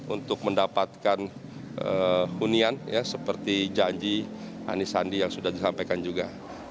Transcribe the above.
untuk mendapatkan hunian seperti janji anisandi yang sudah disampaikan juga